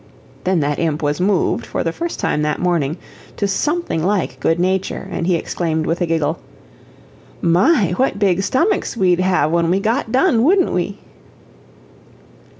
Then that imp was moved, for the first time that morning, to something like good nature, and he exclaimed with a giggle: "My! What big stomachs we'd have when we got done, wouldn't we?"